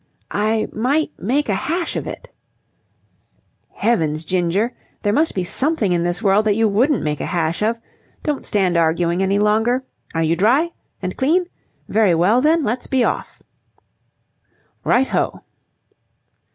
"I might make a hash of it." "Heavens, Ginger! There must be something in this world that you wouldn't make a hash of. Don't stand arguing any longer. Are you dry? and clean? Very well, then. Let's be off." "Right ho."